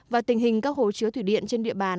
và tình hình các hồ chứa thủy điện trên địa bàn